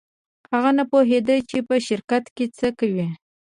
هغه نه پوهېده چې په شرکت کې څه کوي.